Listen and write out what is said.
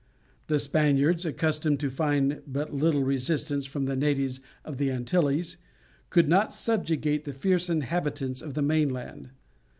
The Spaniards, accustomed to find but little resistance from the natives of the Antilles, could not subjugate the fierce inhabitants of the mainland.